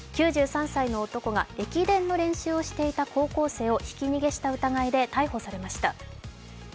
９３歳の男が駅伝の練習をしていた高校生をひき逃げした疑いで逮捕されました。